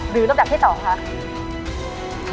หรือลำดับที่สองค่ะ